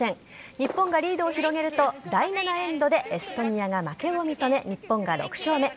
日本がリードを広げると第７エンドでエストニアが負けを認め日本が６勝目。